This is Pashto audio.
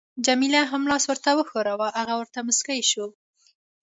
جميله هم لاس ورته وښوراوه، هغه ورته مسکی شو.